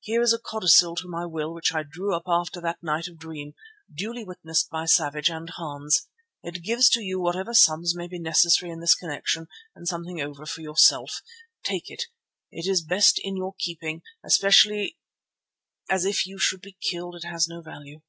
Here is a codicil to my will which I drew up after that night of dream, duly witnessed by Savage and Hans. It leaves to you whatever sums may be necessary in this connexion and something over for yourself. Take it, it is best in your keeping, especially as if you should be killed it has no value."